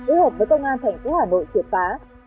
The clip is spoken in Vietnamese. y hợp với công an thành phố hà nội triệt phá